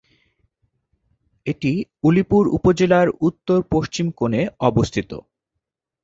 এটি উলিপুর উপজেলার উত্তর পশ্চিম কোণে অবস্থিত।